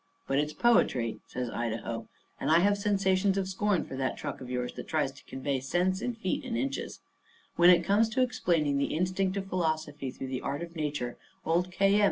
But it's poetry," says Idaho, "and I have sensations of scorn for that truck of yours that tries to convey sense in feet and inches. When it comes to explaining the instinct of philosophy through the art of nature, old K. M.